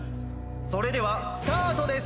それではスタートです。